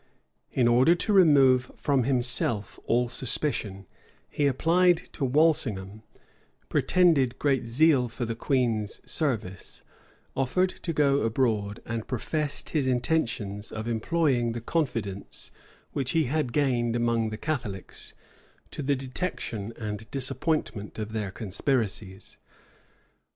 In order to remove from himself all suspicion, he applied to Walsingharn, pretended great zeal for the queen's service, offered to go abroad, and professed his intentions of employing the confidence which he had gained among the Catholics, to the detection and disappointment of their conspiracies.